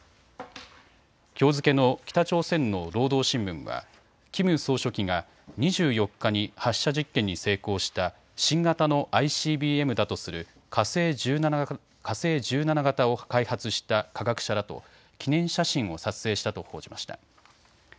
きょう付けの北朝鮮の労働新聞はキム総書記が２４日に発射実験に成功した新型のＩＣＢＭだとする火星１７型を開発した科学者らと記念写真を撮影したと報じました。